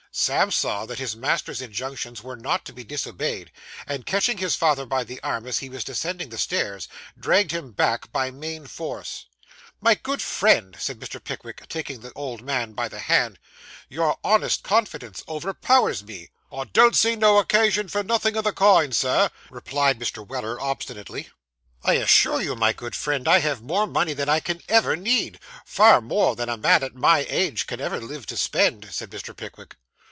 Sam saw that his master's injunctions were not to be disobeyed; and, catching his father by the arm as he was descending the stairs, dragged him back by main force. 'My good friend,' said Mr. Pickwick, taking the old man by the hand, 'your honest confidence overpowers me.' 'I don't see no occasion for nothin' o' the kind, Sir,' replied Mr. Weller obstinately. 'I assure you, my good friend, I have more money than I can ever need; far more than a man at my age can ever live to spend,' said Mr. Pickwick.